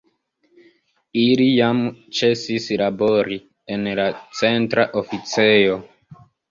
Ili jam ĉesis labori en la Centra Oficejo.